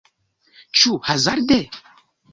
Ĉu hazarde?